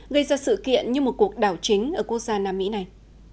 gây ra sự kiện như một cuộc đảo chính ở quốc gia nam mỹ này